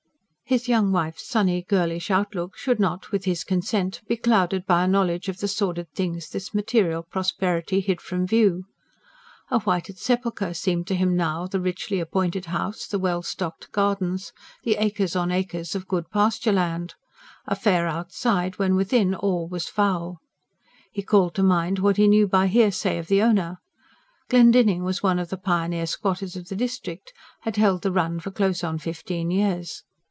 His young wife's sunny, girlish outlook should not, with his consent, be clouded by a knowledge of the sordid things this material prosperity hid from view. A whited sepulchre seemed to him now the richly appointed house, the well stocked gardens, the acres on acres of good pasture land: a fair outside when, within, all was foul. He called to mind what he knew by hearsay of the owner. Glendinning was one of the pioneer squatters of the district, had held the run for close on fifteen years.